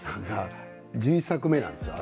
１２作目なんですよ